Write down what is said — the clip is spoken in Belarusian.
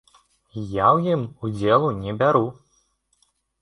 Я ў ім удзелу не бяру!